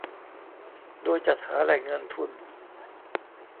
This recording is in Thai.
โดยจัดหาแหล่งเงินทุน